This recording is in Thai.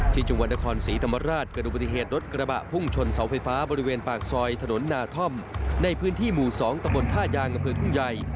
ที่จังหวัดนครศรีธรรมราชเกิดดูปฏิเหตุรถกระบะพุ่งชนเสาไฟฟ้าบริเวณปากซอยถนนนาท่อมในพื้นที่หมู่๒ตะบนท่ายางอำเภอทุ่งใหญ่